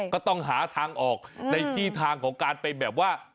ก็ต้องหาทางออกในที่ทางของการไปแบบว่า